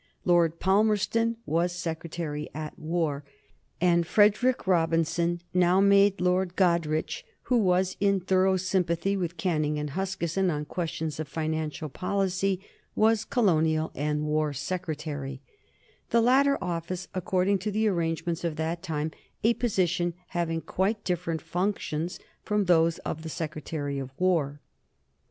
Lord Palmerston was Secretary at War, and Frederick Robinson, now made Lord Goderich, who was in thorough sympathy with Canning and Huskisson on questions of financial policy, was Colonial and War Secretary, the latter office according to the arrangements of that time a position having quite different functions from those of the Secretary of War.